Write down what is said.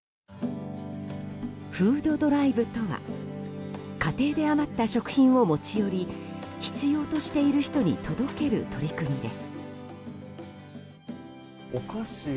フードドライブとは家庭で余った食品を持ち寄り必要としている人に届ける取り組みです。